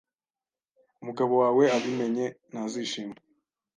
Umugabo wawe abimenye, ntazishima.